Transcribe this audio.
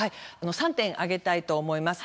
３点挙げたいと思います。